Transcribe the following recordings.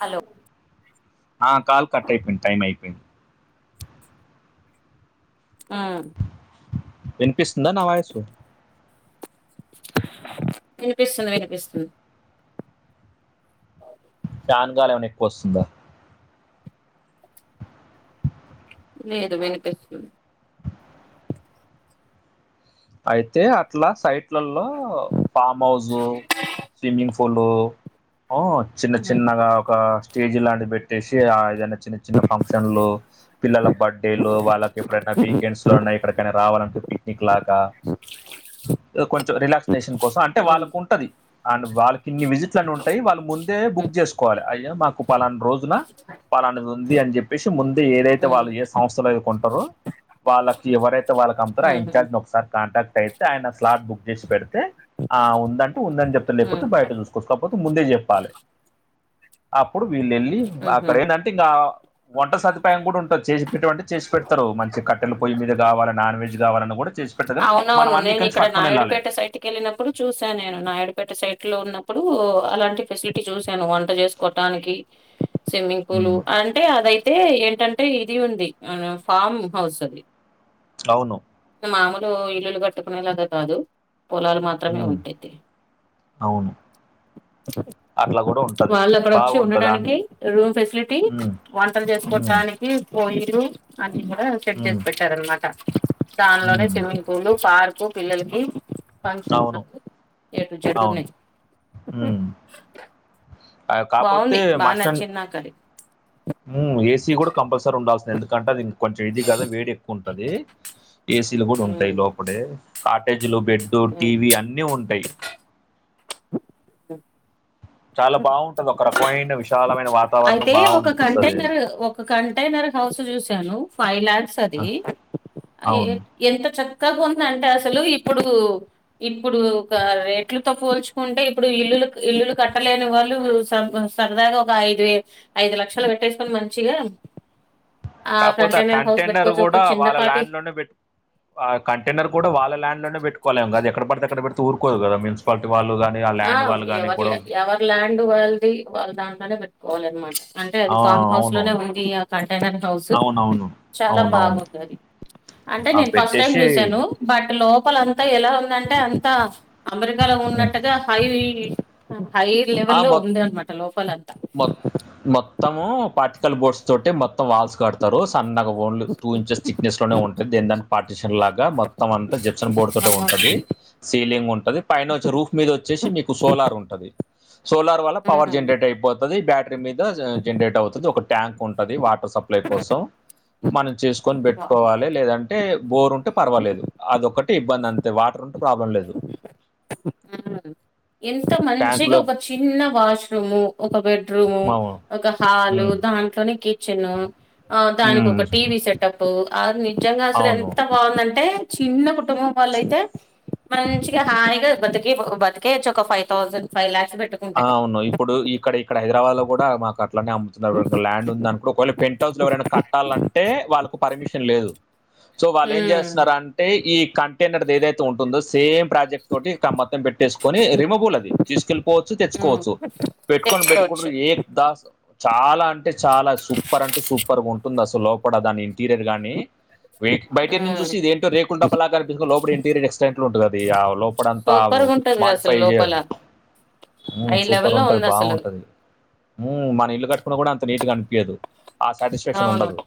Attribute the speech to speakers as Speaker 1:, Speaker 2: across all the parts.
Speaker 1: Hello
Speaker 2: ఆ call cut అయిపోయింది. Time అయిపోయింది.
Speaker 1: ఆ
Speaker 2: వినిపిస్తుందా నా వాయిస్
Speaker 1: వినిపిస్తుంది. వినిపిస్తుంది.
Speaker 2: ఫ్యాన్గాలీ ఏమైనా ఎక్కువస్తుందా
Speaker 1: లేదు వినిపిస్తుంది
Speaker 2: అయితే అట్లా సైట్లలో ఫాంహౌస్ స్విమ్మింగ్ పూల్ లో చిన్న చిన్నగా ఒక స్టేజ్ లాంటి పెట్టేసి ఆ ఏదైనా చిన్న చిన్న ఫంక్షన్లు పిల్లల బర్త్డేలు వాళ్ళకి ఎప్పుడైనా వీకెండ్స్ లో ఉన్నా ఎక్కడికైనా రావాలంటే పిక్నిక్ లాగా
Speaker 1: బ
Speaker 2: కొంచెం రిలాక్సినేషన్ కోసం అంటే వాళ్ళకు ఉంటది. అండ్ వాళ్ళకిన్ని విజిట్లు అని ఉంటాయి వాళ్ళు ముందే బుక్ చేసుకోవాలి అయ్యా మాకు పాలన రోజున పాలనది ఉంది అని చెప్పి చెప్పేసి ముందే ఏదైతే వాళ్ళు ఏ సంస్థలో ఉంటారో వాళ్ళకి ఎవరైతే వాళ్ళకి అంతతారో ఆ ఇన్ఛార్జ్ కాంటాక్ట్ అయితే ఆయన స్లాట్ బుక్ చేసి పెడితే ఆ ఉందంటూ ఉందని చెప్తే లేకుట్టి బయట చూస్త కపోతే ముందే చెప్పాలి అప్పుడు వీళ్ళు వెళ్ళి అక్కడ ఏంటంటే ఇంకా వంట సదుపాయం కూడా ఉంటంది, చేసి పెట్ట మాంటే చేసి పెడతారు మంచి కట్ట కట్ట పొయ్య మీద కావాల నాన్ వెజ్ కావాలని కూడా చేస్త
Speaker 1: అవునవును నేను ఇక్కడ నాయుడుపేట సైడ్ కెళ్ళినప్పుడు చూసాను. నేను నాయడుపేట సైట్ లో ఉన్నప్పుడు అలాంటి ఫెసిలిటీ చూసాను వంట చేసు చెస్కొటానికి స్విమ్మింగ్ పూల్ అంటే అదైతే ఏంటంటే ఇది ఉంది. ఆ ఫామ్ హౌస్ ఉంది,
Speaker 2: అవును
Speaker 1: మామూలు ఇల్లులు కట్టుకునేలాగా కాదు పొలాలు మాత్రమే
Speaker 2: హ్మ్.
Speaker 1: ఉంటేది.
Speaker 2: అవును అట్లా గూడా ఉంటది.
Speaker 1: వాళ్ళు అక్కడ వచ్చి
Speaker 2: బావుంటది. అన్
Speaker 1: ఉండటనికి రూమ్ ఫెసిలిటీ
Speaker 2: హ్మ్.
Speaker 1: వంటలు
Speaker 2: హ్మ్.
Speaker 1: చేసుకోటానికి పొయ్యిలు అన్ని కూడా సెట్
Speaker 2: హ్మ్.
Speaker 1: చేసి పెట్టారునమాట దానిలోనే
Speaker 2: హ్మ్.
Speaker 1: స్విమ్మింగ్ పూలు పార్కు పిల్లలకి ఫంక్షన్
Speaker 2: అవును.
Speaker 1: ఎ టు జెడ్
Speaker 2: అవును.
Speaker 1: ఉన్నాయి.
Speaker 2: అవికాపోతే
Speaker 1: బాగుంది బాగా
Speaker 2: మాస్టన్
Speaker 1: నచ్చింది నాకు అది
Speaker 2: హ్మ్మ్ ఏసీ కూడా కంపల్సరీ ఉండాల్సింది, ఎందుకంటే అదిం కొంచెం ఇది కదా వేడి ఎక్కువ ఉంటది, ఏసీలు కూడా ఉంటాయి.
Speaker 1: ఉమ్,
Speaker 2: లోపాటే కాటేజీలు బెడ్ లో
Speaker 1: ఉమ్,
Speaker 2: టీవీ అన్నీ ఉంటాయి. చాలా బావుంటది. ఒక రకమైన విశాలమైన
Speaker 1: [unintelligible]
Speaker 2: వాతావరణం
Speaker 1: అయితే ఒక
Speaker 2: బావునిపిస్తది.
Speaker 1: కంటైనర్ ఒక ఒక కంటైనర్ హౌస్ చూశాను ఫైవ్ ల్యాక్స్
Speaker 2: ఆ!
Speaker 1: అది
Speaker 2: అవును.
Speaker 1: ఎంత చక్కగా ఉందంటే అసలు ఇప్పుడు ఇప్పుడు ఒక రేట్లుతో పో ఉంటే ఇప్పుడు ఇల్లులు ఇల్లులు కట్టలేని వాళ్ళు సరదాగ ఒక ఐదు వే ఐదు లక్షలు పెట్టేసుకొని మంచిగ
Speaker 2: కాకపోతే ఆ కంటైనర్ కూడా వాళ్ళ
Speaker 1: చిన్నపాటి
Speaker 2: ల్యాండ్ లోనే పె ఆ కంటైనర్ కూడ వాళ్ళ ల్యాండ్నే పెట్టుకోలేం కదా ఎక్కడడితే ఎక్కడ పెడితే ఊకోదు కదా మున్పాలిటీ వాళ్ళు కానీ
Speaker 1: ఆ
Speaker 2: ల్యాండ్ వాళ్ళు కానీ
Speaker 1: ఎవరి
Speaker 2: గొడవ
Speaker 1: ఎవరి ల్యాండ్ వాళ్ళది వాళ్ళ దాంట్లోనే పెట్టుకోవాల అనమ అంటే అది
Speaker 2: ఆ,
Speaker 1: ఫామ్ హౌస్
Speaker 2: అవును
Speaker 1: లోనే ఉంది ఆ కంటైనర్ హౌస్
Speaker 2: అవునవును
Speaker 1: చాల
Speaker 2: అవునవును
Speaker 1: బాగుంది అది అంటే
Speaker 2: ఆ
Speaker 1: నేను ఫస్ట్ టైం
Speaker 2: పెట్టేసి
Speaker 1: చూశను బట్ లోపల అంతా ఎలా ఉందంటే అంత అమెరికాలో ఉన్న
Speaker 2: ఉమ్.
Speaker 1: హై హై లెవెల్ లో ఉంది అనమాట లోపల అంత
Speaker 2: మొ మొత్తము [unintelligible] మొ మొత్తం వాల్స్ కడతారు సన్నగా ఓన్లీ టూ ఇంచెసిటిటేస్ లోనే ఉంటాంది దేని దాన్ని పార్టిషన్ లాగ మొ మొత్తం అంతా జెప్సన్ బోర్డు తోటే ఉంటది, సీలింగ్ ఉంటది, పైన వచ్చి రూఫ్ మీద వచ్చేసి నీకు సోలార్ ఉంటుంది. సోలార్ వల్ల పవర్
Speaker 1: ఉమ్,
Speaker 2: జనరేట్ అయిపోతది. బ్యా మీద జనరేట్ అవుతుది, ఒక ట్యాంక్ ఉంటంది వాటర్ సప్లై కోసం మనం చేసుకొని
Speaker 1: వా-
Speaker 2: పెట్టుకోవా లేదంటే బోర్ ఉంటే పర్వాలేదు అదొక్కటి ఇబ్బంది అంతే వాటర్ ఉంటే ప్రాబ్లం లేదు
Speaker 1: ఉమ్. ఎంత మంచిగా
Speaker 2: ట్యాంక్లో
Speaker 1: ఒక చిన్న వాష్రూమ్ ఒక బె [unintelligible] రూమ్ ఒక హల్ దాంట్లోని కిచెన్ ఆ దానికి ఒక టీవి సె అ నిజంగా అసలు
Speaker 2: అవును
Speaker 1: ఎంత బాగుందంటే చిన్న కుటుంబం వాళ్ళ అయితే మంచిగా హాయిగా బతికే [unintelligible] ఒక ఫైవ్థౌజడ్ ఫైవ్ లాక్స్ పెట్టు
Speaker 2: ఆ అవును ఇప్పుడు ఇక్కడ ఇక్కడ హైదరాబాద్ లో కూడా మాకు అట్లానే అమ్ముతున్నారు ల్యాండ్ ఉంద ఇప్పుడు ఒకవేళ పెంట్ హౌస్లో ఎవరైనా కట్టాలంటే వాళ్ళకు పర్మిషన్ లేదు సో వాళ్ళు ఏం
Speaker 1: ఉమ్,
Speaker 2: చేస్తున్నార ఈ కం హండ్రర్డ్ ఏదై ఉంటందో ప్రాజెక్ట్ తోటిక్క మొత్తం పెట్టేసుకని రిముబుల్ అది తీసుకెళ్ వచ్చు
Speaker 1: ఉమ్.
Speaker 2: తెచ్చుకోవచ్చు పెట్టుకొని
Speaker 1: తెచ్చుకోవచ్చు
Speaker 2: పెట్టుకుంటారు ఏక్ దస్ చాల అంటే చాల సూపర్ అంటే సూపర్గ ఉంటుంది అసలు లోపల దాని ఇంటీరియర్ గాని బయటను
Speaker 1: ఉమ్
Speaker 2: చూసి ఇది ఎంటో రేకుండా పలారి తీసు లోపలి ఇంటీరియ ఎస్టెట్ ఉంటుంది ఆ లోపలంతా
Speaker 1: సూపర్గా ఉంటది అసలు లోపాల
Speaker 2: సూపర్ ఉంటది
Speaker 1: అసలు
Speaker 2: బాగుంటది మన ఇల్లు కట్టుకున్న కూడ అంత నీట్గ అనిపియదు ఆ సాటిస్ఫాక్షన్
Speaker 1: అవును
Speaker 2: ఉండదు.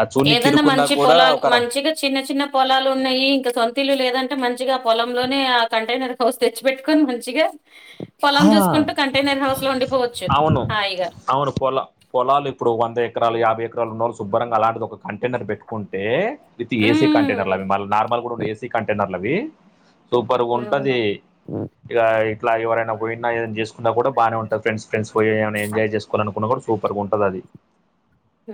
Speaker 2: అది చూడనీకి
Speaker 1: ఏదన్న
Speaker 2: ఇరుక్కున్నా
Speaker 1: మంచి
Speaker 2: కూడా
Speaker 1: పొలాలు
Speaker 2: ఒక ర
Speaker 1: మంచిగ చిన్న చిన్న పొలాలు ఉన్నాయి ఇంక సొంతీలు లేదంటే మంచిగా ఆ పొలంలోనే ఆ కంటైనర్ హౌస్ తెచ్చి పెట్టుకొని మంచిగ
Speaker 2: ఆ!
Speaker 1: పొలం చూసుకుంటూ కంటైనర్ హౌస్లో ఉండిపోవచ్చు
Speaker 2: అవును.
Speaker 1: హాయిగా
Speaker 2: అవును పోల పొలాలు ఇప్పుడు వంద ఎకరాలు యాభై ఎకరాలు ఉన్నోళ్ళు శుభ్రంగా అలాంటిది ఒక కంటైనర్ పెట్టుకుంటే విత్ ఏసీ
Speaker 1: ఉమ్
Speaker 2: కంటైనర్లు అవి మళ్ళీ నార్మల్ కూడ ఉండ ఏసీ కంటైనర్లవి సూపర్గా ఉంటది
Speaker 1: అవును
Speaker 2: ఇక ఇట్లా ఎవరైనా పోయినా ఏదైనా చేసుకున్నా కూడా బనే ఉంటది ఫ్రెండ్స్ ఫ్రెండ్స్ పోయి ఎంజాయ్ చేసుకోవాలనుకున్న కూడ సూపర్గ ఉంటది అది
Speaker 1: హు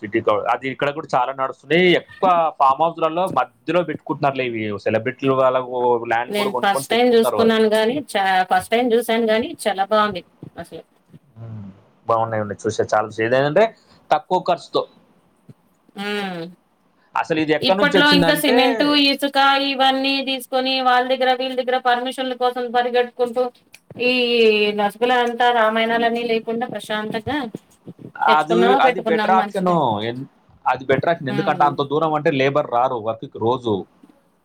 Speaker 2: సిటీ క అది ఇక్కడ కూడ చాల నడుస్తుంది ఎక్కువ ఫామ్ హౌస్లలో మధ్యలో పెట్టు [unintelligible] సెలబ్రిటీలు వాళ్లకు
Speaker 1: నేను ఫస్ట్ టైం చూసుకున్నాను గాని చ ఫస్ట్ టైం చూసాను గాని చాలా బాగుంది అసలు
Speaker 2: బావున్నాయ్ అండి చూసే చాలు ఏదయిన ఉంటే తక్కువ ఖర్చుతో
Speaker 1: ఆ
Speaker 2: అసలు ఇది ఎక్కడి నుంచి
Speaker 1: ఇప్పట్లో ఇంకా
Speaker 2: వచ్చిందంటే
Speaker 1: సిమెంటు ఇసిక్ కా ఇవ అన్నీ తీసుకొని వాళ్ళ దగ్గర వీళ్ళ దగ్గర పర్మిషన్ల కోసం పరిగెట్ కుంటూ ఈ నసుగుల అంతా రామాయణాల అన్నీ లేకుండా ప్రశాంతంగా
Speaker 2: అదువు
Speaker 1: తెచ్చుకున్నాము
Speaker 2: అది బెటర్
Speaker 1: పెట్టుకున్నాము
Speaker 2: ఆప్షన
Speaker 1: మంచిగా
Speaker 2: ఎన్ అది బెటర్ యక్షన్ ఎందుకఅంటే
Speaker 1: ఉమ్
Speaker 2: అంత దూరం అంటే లేబర్ రారు వర్క్ రోజు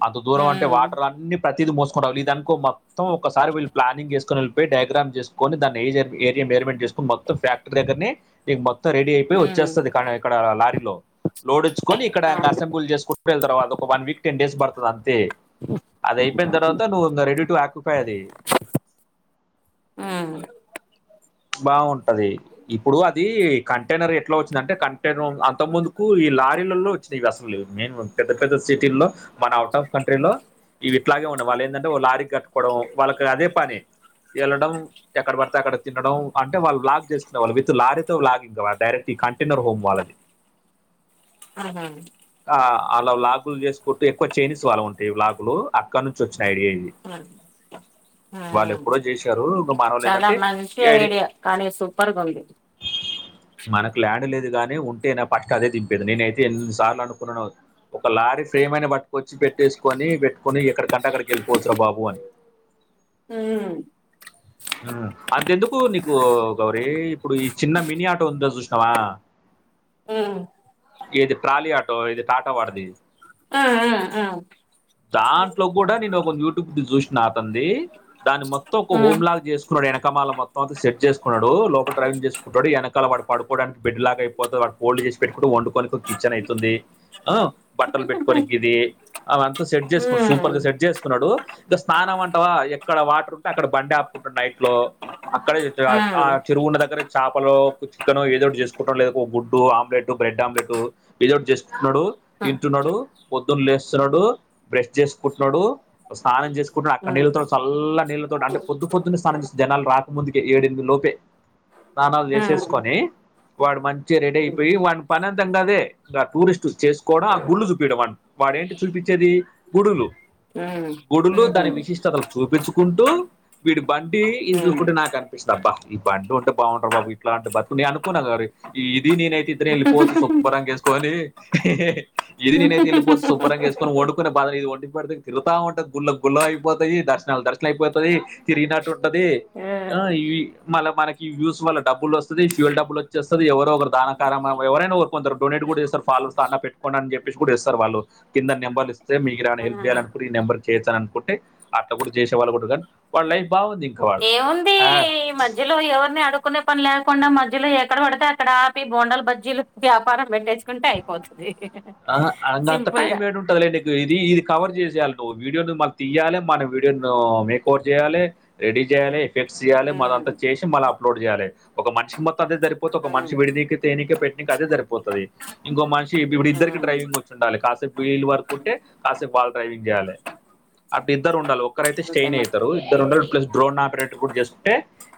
Speaker 2: అంత దూరం అంటే
Speaker 1: ఉమ్
Speaker 2: వాటర్ అన్ని ప్రతిది మోసుకొనిరావాలి ఇది అనుకో మ తో ఒక్కసారి ప్లానింగ్ ఏసుకుని వెళ్తే డైగ్రామ్ చేసుకొని దాన్ని ఏజ్ ఏమ్ ఏరియమ్ ర్యాలి మెంట్ చేసుకోని మొత్తం ఫ్యాట్ బ్రేకర్నీ ఇక మొత్తం రెడీయట్
Speaker 1: ఉమ్
Speaker 2: వచ్చేస్త అది ఇక్కడ లారీల్లో లోడ్ వోచ్చుకొని ఇక్కడ అండ్ అసెంబుల్ చేసుకు ఇప్పుడే వేల్ తారు ఒక విక్ టెన్ డేస్ పడ్త అది అంతే అది అయిపోయిన తర్వాత నువ్వు రెడీ టు ఆక్యపైయి అది
Speaker 1: ఆ
Speaker 2: బావుంట అది ఇప్పుడు అది కంటైనర్ ఎట్లా వచ్చిందఅంటే కంటైనర్ అంత ముందుకు ఈ లారీ లల్లో ఇస్తిగ అసల లేదు మెయిన్ పెద్ద పెద్ద సిటీల్లో మన అవుట్ ఆఫ్ కంట్రీ లో ఇవి ఇట్లాగే ఉండవు వాళ్ళే ఎందఅంటే లారీకి కట్టుకోవడం వాళ్ళకి అదే పని ఏళ్ళడం ఎక్కడ పడితే అక్కడికి తినడం అంటే వాళ్ళు బ్లాగ్ చేసుకుంట వాళ్ళు విత్ లారీతో బ్లాగింగ్ కావ డైరెక్ట్ ఈ కంటైనర్ హోమ్ వాళ్ళ అది
Speaker 1: ఆహా
Speaker 2: ఆ అలా లాగులు చేసుకుంటూ ఎక్కువ చేనిస్ వాళ్ ఉంటాయి బ్లాగులు అక్కడ నుంచి వచ్చిన ఐడియా ఇది
Speaker 1: ఉమ్
Speaker 2: వాళ్ళు
Speaker 1: ఉమ్.
Speaker 2: ఎప్పుడో చేశారు ఇంకా మానవోల్లు ఏంద అంటే
Speaker 1: ఏ ఐడియా కానీ సూప్పర్గ ఉంది
Speaker 2: మనకు ల్యాండ్ లేదు గాని ఉంటేనే పట్ అదే దింపేది నేన్ అయితే ఎన్ని సార్లు అనుకున్నా నో ఒక లారీ ఫ్రేమ్ అయిన బట్టుకొచ్చి పెట్టేసుకొని పెట్టుకొని ఎక్కడికంట అక్కడికి వెళిపోవచ్చురా బాబు అని
Speaker 1: మ్మ్
Speaker 2: అంతె ఎందుకు నీకు గౌరి ఇప్పుడు ఈ చిన్న మినీ ఆటో ఉంటది చూసినావా
Speaker 1: మ్మ్
Speaker 2: ఏది ట్రాలీ ఆటో ఇది టాటో వాడది
Speaker 1: ఉమ్ ఉమ్
Speaker 2: దాంట్లో కూడా నేను ఒక యూట్యూబ్ చూసిన అతనిది దాని మొత్తం ఒక
Speaker 1: ఉమ్
Speaker 2: హోమ్ లాగ చేసుకున్నాడు వెనకమాల మొత్తం అంత సెట్ చేసుకున్నాడు లోప డ్రైవింగ్ చేసుకుంటాడు వెనకాల వాడి పడుకోవడానికి బెడ్ లాగా అయి పోతే వాడు ఓల్డ్ చేసి పెట్టుకుంటూ వండుకొనికి ఒక కిచెన్ అయితుంది అ బట్టలు పెట్టుకోని ఇది అవ అంతా సెట్
Speaker 1: ఉమ్
Speaker 2: చేసుకున్నాడు సూపర్ గా సెట్ చేసుకు ఉన్నాడు ఇంకా స్నానం అంటావా ఎక్కడ వాటర్ ఉంటే అక్కడ బండి ఆపుకుంటుడు నైట్ లో అక్కడే చే ఆ
Speaker 1: ఉమ్
Speaker 2: చెరువు ఉన్న దగ్గరే చాపలో ఒక చికెన్ ఏదో ఒకటి చేసుకుంటాం లేదు ఒక గుడ్డు ఆమ్లెట్ బ్రెడ్ ఆమ్లెట్టు ఏదో ఒకటి చేసుకుంటు ఉన్నాడు
Speaker 1: ఉమ్
Speaker 2: తింటు ఉన్నాడు పొద్దున్న లేస్తున్నాడు బ్రష్ చేసుకుంటున్నాడు స్నానం చేసుకుంటున్నాడు అక్కడ నీళ్ళతో చల్ల నీళ్ళతోటి అంటే పొద్దు పొద్దున్నే స్నానం చేసి జనాలు రాకముందుకే ఏడ్ ఎనిమిది లోపే స్నానాలు
Speaker 1: ఉమ్
Speaker 2: చేసేస్కొని వాడు మంచిగా రెడీ
Speaker 1: ఉమ్
Speaker 2: అయిపోయి వాడి పని అంతం అదే ఇంకా టూరిస్ట్ చేసుకోవడం ఆ గుళ్ళు చూపింయడం వాడ్ వాడే ఏంటి చూపించ్చేది గుడులు
Speaker 1: ఉమ్
Speaker 2: గుడుళు
Speaker 1: ఉహు
Speaker 2: దాని విశిష్టతలు చూపించుకుంటూ వీటి బంటి ఈజ్
Speaker 1: ఉమ్
Speaker 2: ఖుడ్ నాకర్ ఇష్ ఇబ్బా ఈ బండు ఉంటే బాగుఉంటా అది బాబు ఇట్లా అంటి బతుకుని అనుకున్నా గౌరి ఇది నేనై అయితే ఇద్దరంమ్ వెళ్ళి పోవచు శుభరంగా వేసుకొని ఇది నేనైతే వెళ్ళిపోతే శుభ్రంగా చేసుకని వండుకునే బాధనేది వండి పెడితే తిగుా ఉంటా అది గుళ్ల గుల్ల అయిపోతయి దర్శనాలు దర్శ ఇట్లయిపోతాది తిరిగినట్టు ఉంటది
Speaker 1: ఆ
Speaker 2: ఇవి మళ్ళ మనకి ఈ వ్యూస్ వల్ల డబ్బులు వస్తది [unintelligible] డబ్బు వచ్చేస్తది ఎవరో ఒకరు దానం కానీ మ ఎవరైనా కోరుకుంటారు డొనేట్ కూడా చేస్తారు [unintelligible] పెట్టుకోండి అని చెప్పేసి కూడా ఇస్తారు వాళ్ళు కింద నెంబర్లు ఇస్తే మీరు ఆడ
Speaker 1: ఆ
Speaker 2: హెల్ప్ చేయాలనుకుంటే ఈ నెంబర్ చేయచ్చాననుకుంటే అట్ల కూడా చేసే వాళ్ళుగానీ వాళ్ళ లైఫ్ బాగుంది ఇంకా వాడు
Speaker 1: ఏముంది
Speaker 2: ఆ,
Speaker 1: ఈ మధ్ యలో ఎవరిని అడుక్కునే పని లేకుండా మధ్యలో ఎక్కడ పడితే అక్కడ ఆపి బోండాలు, బజ్జీలు వ్యాపారం పెట్టేసు కుంటే అయిపోతుంది
Speaker 2: ఆ, అంగ అంత
Speaker 1: సింపుల్
Speaker 2: టైం
Speaker 1: గా
Speaker 2: ఏడు నీకు ఇది ఇది కవర్ చేసేయాలి నువ్ వీడియోను మాకు తీయాలి మన వీడియో ఓటు చేయాలి రెడీ చేయాలి ఎఫెక్ట్స్ చేయాలి మళ్దంతా
Speaker 1: ఉమ్
Speaker 2: చేసి మళ్ళీ అప్లోడ్ చేయాలి ఒక మనిషి మొత్తం అదే సరిపోతే ఒక
Speaker 1: ఉమ్
Speaker 2: మనిషి విడనీకి, తీనీకి, పెట్నీకే అదే సరిపోతది ఇంకో మనిషి ఇప్పుడు ఇద్దరికి
Speaker 1: ఉమ్
Speaker 2: డ్రైవింగ్ వచ్చి ఉండాలి కాసేపు వీళ్ళు పడుకుంటే అసలు పాలు తాగనికి గాలే అంటే ఇద్దరు ఉండాలి ఒక్కరైతే
Speaker 1: అంతే
Speaker 2: స్టెయిన్
Speaker 1: మరి
Speaker 2: అయితారు ఇద్దరు ఉండాలి ప్లస్ [inaudible] [inaudible] చేసుకుంటే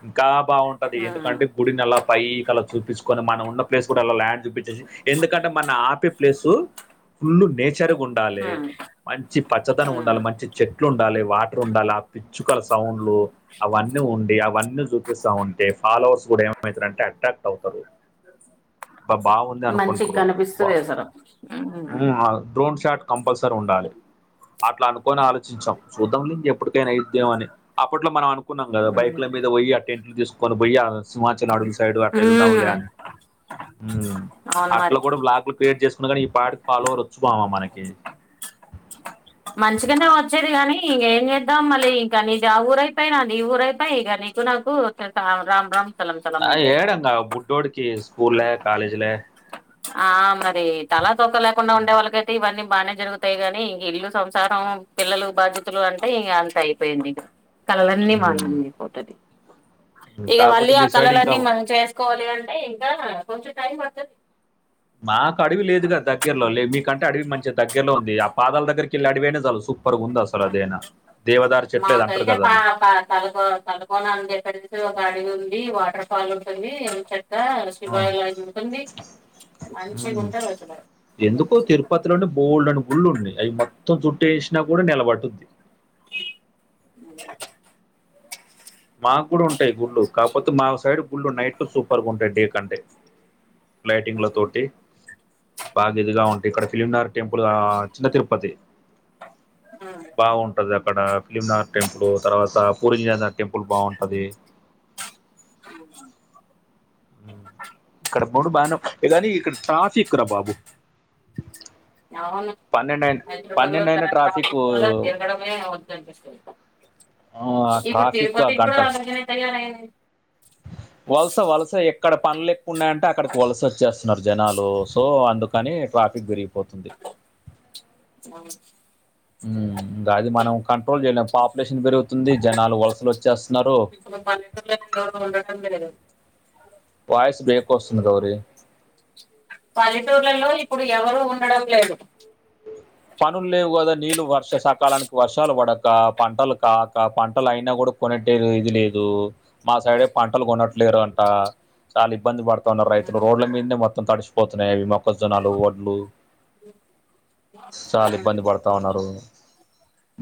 Speaker 2: ఇంకా బాగుంటది
Speaker 1: ఉమ్
Speaker 2: ఎందుకంటే గుడిని అలా పైకి అలా చూపించుకొని మనం ఉన్న ప్లేస్ కూడా అలా ల్యాండ్ చూపించేసి ఎందుకంటే మన ఆపి ప్లేసు ఫుల్ నేచర్గా ఉండాలి
Speaker 1: ఉమ్
Speaker 2: మంచి పచ్చదనం
Speaker 1: ఉమ్
Speaker 2: ఉండాలి మంచి చెట్లు ఉండాలి వాటర్ ఉండాలి ఆ పిచ్చుకల సౌండ్లు అవన్నీ ఉండి అవన్నీ చూపిస్తా ఉంటే ఫాలోవర్స్ కూడా ఏమవుతారుంటే అట్రాక్ట్ అవుతారు [inaudible] బాగుంది అను
Speaker 1: మంచిగ కనిపిస్తది అసలు ఉమ్ ఉమ్
Speaker 2: ఆ డ్రోన్ షాట్ కంపల్సరీ ఉండాలి అట్లా అనుకోని ఆలోచించాం చూద్దాంలే ఇంక ఎప్పటికైనా అయిద్దేమో అని అప్పట్లో మనం అను కున్నాం కదా
Speaker 1: ఉమ్
Speaker 2: బైక్ల మీద పోయి ఆ టెంట్లు తీసుకొని పోయి సిమాచల్ అడువుల సైడు అట్ట వెళ్దాంలే అని
Speaker 1: అవును
Speaker 2: అట్లా
Speaker 1: మరి
Speaker 2: కూడా బ్లాక్లు క్రియేట్ చేసుకున్నగానీ ఈ పాటకి ఫాలోవర్ వచ్చుమామా మనకి
Speaker 1: మంచిగానే వచ్చేది గానీ ఇంక ఏం చేద్దాం మళ్ళీ ఇంకా నీదావూరయిపోయ, నాదీవూరైపోయ కానీ నువ్ నాకు [inaudible] రామ్ రామ్ చలం చలం
Speaker 2: ఆ
Speaker 1: అయిపోయి
Speaker 2: ఏడంగా బుడ్డోడికి స్కూల్ లే కాలేజ్ లే
Speaker 1: [inaudible] ఆ మరి తల, తోక లేకుండా ఉండే వాళ్ళకైతే ఇవన్నీ బానే జరుగుతాయి గాని ఇల్లు సంసారం పిల్లలు బాధ్యతలు అంటే ఇగ అంత అయిపోయింది కళలన్నీ మాము
Speaker 2: ఉమ్.
Speaker 1: [inaudible] పోతది ఇక
Speaker 2: కాకపోతే
Speaker 1: మళ్ళీ ఆ
Speaker 2: మీ సైడ్ ఇంకా
Speaker 1: కళలన్నీ మనం చేసుకోవాలి అంటే ఇంకా కొంచెం టైం పడుతది
Speaker 2: మాకు అడవి లేదు కద దగ్గరలో లే మీకంటే అడవి మంచిగా దగ్గరలో ఉంది ఆ పాదాల దగ్గరికెళ్ళి అటువోయింటే సాలు సూ పర్ ఉంది అసలు అదైనా దేవదార్
Speaker 1: మాకైతే పా [inaudible] తలకో తలకోన అని చెప్పేసి ఒక అడవి ఉంది వాటర్ ఫాల్ ఉంటుంది ఎంచెక్క [inaudible] మంచిగా ఉంటది అసలు [inaudible]
Speaker 2: ఉపతిలో అంటే బోల్డ్ అన్ని గుళ్ళు ఉన్నాయి అవి మొత్తం చుట్టేసినా కూడా నిలబడుతుంది
Speaker 1: మ
Speaker 2: మాకు కూడా ఉంటాయి గుళ్ళు కాకపోతే మా సైడ్ గుళ్లు నైట్ లో సూపర్గా ఉంటాయి డే కంటే లైటింగ్ ల తోటి బాగా ఇదిగా ఉంటే ఇక్కడ ఫిలింనగర్ టెంపులా చిన్న తిరుపతి బాగుం [inaudible] అక్కడ ఫిలింనగర్ టెంపుల్ తర్వాత పూరి జగన్నాథ్ టెంపుల్ బాగుంటుంది ఇప్పుడు బానే కాని ఇక్కడ ట్రాఫిక్ రా బాబు
Speaker 1: అవును
Speaker 2: పన్నెండయిన
Speaker 1: హైదరాబాద్ లో
Speaker 2: పన్నెండయిన ట్రాఫికు
Speaker 1: తిరగ
Speaker 2: ఆహ్,
Speaker 1: తిర్గటం వద్దనిపిస్తుంది
Speaker 2: ట్రాఫిక్
Speaker 1: ఇప్పుడు
Speaker 2: ట్రాఫిక్ ఆ
Speaker 1: తిరుపతి కూడా
Speaker 2: గంటలు
Speaker 1: అలాగే తయారైన
Speaker 2: వలస వలస ఎక్కడ పనులు ఎక్కువ ఉన్నాయంటే అక్కడికి వలస వచ్చేస్తున్నారు జనాలు సో అండ్ కానీ ట్రాఫిక్ పెరిగిపోతుంది
Speaker 1: అవును
Speaker 2: గా అది మనం కంట్రోల్ చేయలేము పాపులేషన్ పెరుగుతుంది జనాలు వలసలు వచ్చేస్తున్నారు
Speaker 1: మన పల్లెటూర్లో ఎవరు ఉండడం లేదు
Speaker 2: వాయిస్ బ్రేక్ వస్తుంది గౌరీ
Speaker 1: పల్లెటూర్లలో ఇప్పుడు ఎవరు ఉండడం లేదు
Speaker 2: పనులు లేవు కదా నీళ్ళు వర్ష సకాలానికి వర్షాలు పడక పంటలు కాక పంటలు అయినా కూడా కొనట్టే ఇది లేదు మా సైడే పంటలు కొనట్లేరు అంట చాలా ఇబ్బంది పడుతున్నారు రైతులు
Speaker 1: ఉమ్.
Speaker 2: రోడ్ల మీందే మొత్తం తడిసిపోతున్నాయి అవి మొక్కజొన్నలు వడ్లు చాలా ఇబ్బంది
Speaker 1: ఉమ్.
Speaker 2: పడతా ఉన్నారు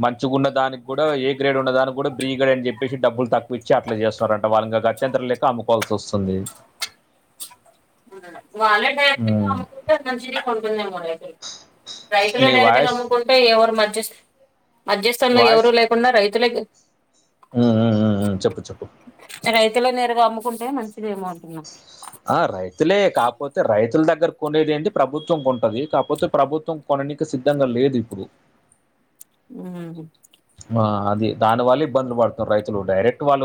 Speaker 2: మంచిగా ఉన్న దానికి కూడా ఏ గ్రేడ్ ఉన్న దానికి కూడా బ్రీ గ్రేడ్ అని చెప్పేసి డబ్బులు తక్కువ ఇచ్చి అట్లా చేస్తున్నారంట వాళ్ళ గత్యంతరం లేక అమ్ముకోవాల్సి వస్తుంది
Speaker 1: వాళ్లే గట్టిగా
Speaker 2: ఉమ్.
Speaker 1: అమ్ముకుంటారు మంచీగనే పోతది రేటు రైతులే
Speaker 2: నీ
Speaker 1: డైరెక్ట్ గా
Speaker 2: వాయిస్
Speaker 1: అమ్ముకుంటే ఎవరు మధ్యస్ మధ్యస్థంలో ఎవరు లేకుండా రైతులే
Speaker 2: ఉ ఊ చెప్పు చెప్పు
Speaker 1: రైతులే నేరుగా అమ్ముకుంటే మంచిదేమో అంటున్నా
Speaker 2: ఆ రైతులే కాపోతే రైతుల దగ్గర కొనేది ఏంటి ప్రభుత్వం కొంటది కాపోతే ప్రభుత్వం కొననికి సిద్ధంగా లేదు ఇప్పుడు
Speaker 1: ఉహు
Speaker 2: ఆ అది దాని వల్ల ఇబ్బందులు పడుతున్నారు రైతులు డైరెక్ట్ వాళ్ళు